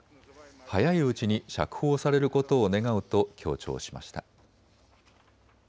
早いうちに釈放されることを願うと強調しました。